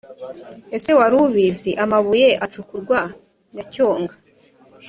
ese wari ubizi?amabuye acukurwa nyacyonga